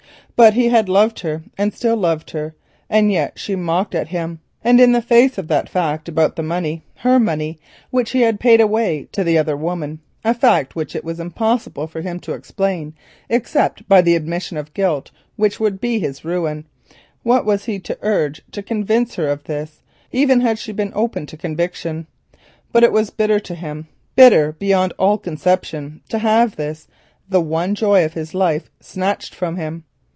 But he had loved her and still loved her, and yet she mocked at him, and in the face of that fact about the money—her money, which he had paid away to the other woman, a fact which it was impossible for him to explain except by admission of guilt which would be his ruin, what was he to urge to convince her of this, even had she been open to conviction? But it was bitter to him, bitter beyond all conception, to have this, the one joy of his life, snatched from him.